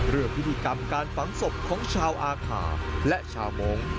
พิธีกรรมการฝังศพของชาวอาขาและชาวมงค์